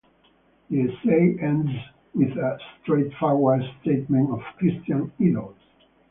The essay ends with a straightforward statement of Christian ideals.